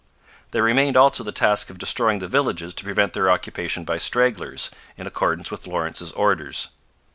There remained also the task of destroying the villages to prevent their occupation by stragglers, in accordance with Lawrence's orders.